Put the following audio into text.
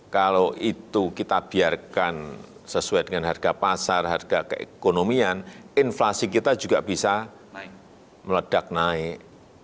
kalau itu kita biarkan sesuai dengan harga pasar harga keekonomian inflasi kita juga bisa meledak naik